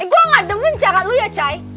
eh gue gak demen cara lu ya coy